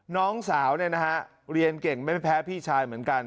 น้องสาวเนี่ยนะฮะเรียนเก่งไม่แพ้พี่ชายเหมือนกัน